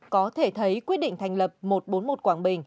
có thể thấy quyết định thành lập một trăm bốn mươi một qb